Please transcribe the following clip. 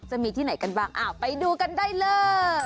จะมีที่ไหนกันบ้างไปดูกันได้เลย